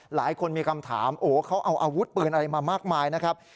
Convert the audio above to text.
หลายคนมีคำถามโอ้เขาเอาอาวุธปืนอะไรมามากมายนะครับ